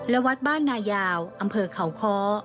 และวัดบ้านนายาวอำเภอเขาค้อ